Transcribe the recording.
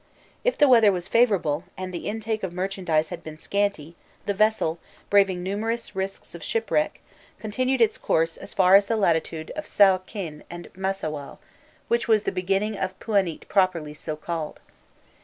If the weather was favourable, and the intake of merchandise had been scanty, the vessel, braving numerous risks of shipwreck, continued its course as far as the latitude of Sûakîn and Massowah, which was the beginning of Pûanît properly so called.